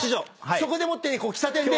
そこでもって喫茶店で。